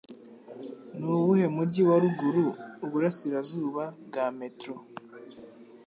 Nuwuhe mujyi wa ruguru uburasirazuba bwa Metro?